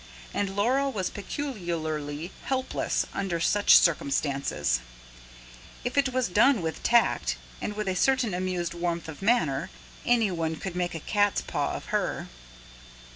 And Laura was peculiarly helpless under such circumstances: if it was done with tact, and with a certain assumed warmth of manner, anyone could make a cat's paw of her.